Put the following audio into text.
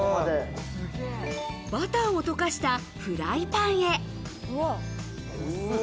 バターを溶かしたフライパンへ。